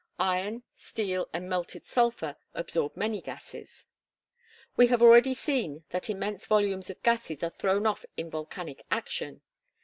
Iron, steel and melted sulphur absorb many gases. We have already seen that immense volumes of gases are thrown off in volcanic action.